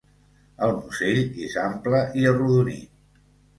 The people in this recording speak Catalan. El musell és ample i arrodonit.